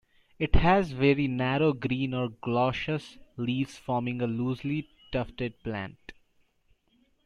It has very narrow green or glaucous leaves forming a loosely tufted plant.